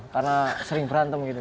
karena sering berantem gitu